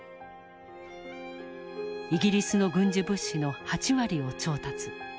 イギリスの軍需物資の８割を調達。